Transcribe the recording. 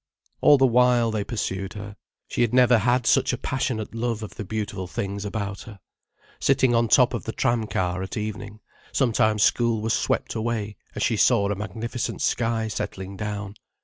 All the while, they pursued her. She had never had such a passionate love of the beautiful things about her. Sitting on top of the tram car, at evening, sometimes school was swept away as she saw a magnificent sky settling down.